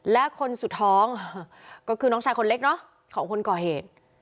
และคนสุดท้องก็คือน้องชายคนเล็กเนอะของคนก่อเหตุ